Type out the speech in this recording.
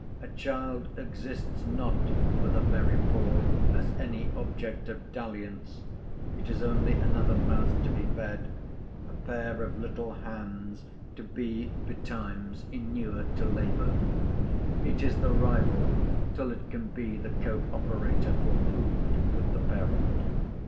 A child exists not for the very poor as any object of dalliance; it is only another mouth to be fed, a pair of little hands to be betimes inured to labour. It is the rival, till it can be the co operator, for food with the parent.